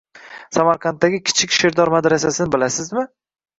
Samarqanddagi “Kichik Sherdor” madrasasini bilasizmi?